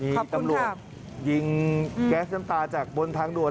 มีตำรวจยิงแก๊สน้ำตาจากบนทางด่วน